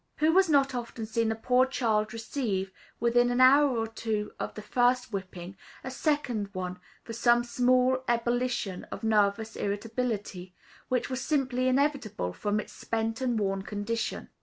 Who has not often seen a poor child receive, within an hour or two of the first whipping, a second one, for some small ebullition of nervous irritability, which was simply inevitable from its spent and worn condition?